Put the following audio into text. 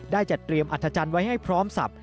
จัดเตรียมอัธจันทร์ไว้ให้พร้อมสับ